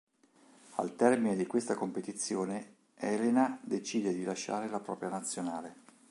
Al termine di questa competizione, Elena decide di lasciare la propria nazionale.